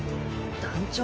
団長。